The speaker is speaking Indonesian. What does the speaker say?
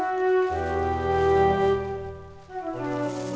kamu berut begitu